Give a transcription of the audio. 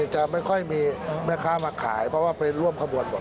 จะไม่ค่อยมีแม่ค้ามาขายเพราะว่าไปร่วมขบวนหมด